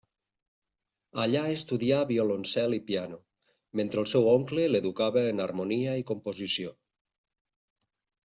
Allà estudià violoncel i piano, mentre el seu oncle l'educava en harmonia i composició.